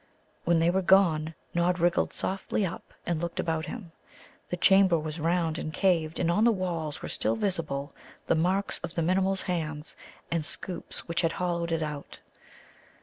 When they were gone, Nod wriggled softly up and looked about him. The chamber was round and caved, and on the walls were still visible the marks of the Minimuls' hands and scoops which had hollowed it out.